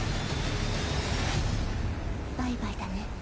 哀：バイバイだね